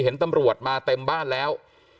เห็นตำรวจมาเต็มบ้านแล้ว